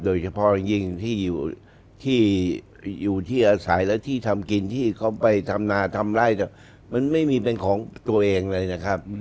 โดยเฉพาะยิ่งที่อยู่ที่อาศัยและที่ทำกินที่เขาไปทำนาทำไล่มันไม่มีเป็นของตัวเองเลยนะครับ